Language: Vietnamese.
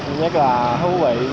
thứ nhất là thú vị